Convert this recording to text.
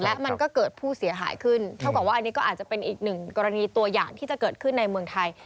และมันก็เกิดผู้เสียหายขึ้นเท่ากับว่าอันนี้ก็อาจจะเป็นอีกหนึ่งกรณีตัวอย่างที่จะเกิดขึ้นในเมืองไทย